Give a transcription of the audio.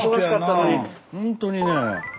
ほんとにねえ。